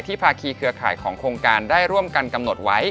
ภาคีเครือข่ายของโครงการได้ร่วมกันกำหนดไว้